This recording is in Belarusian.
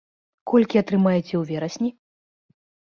Колькі атрымаеце ў верасні?